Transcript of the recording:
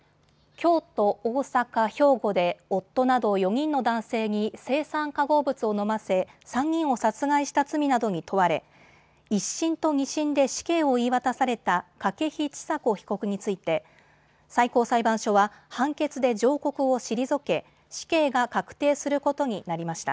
京都、大阪、兵庫で夫など４人の男性に青酸化合物を飲ませ３人を殺害した罪などに問われ１審と２審で死刑を言い渡された筧千佐子被告について最高裁判所は判決で上告を退け死刑が確定することになりました。